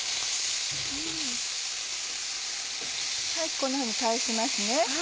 こんなふうに返しますね。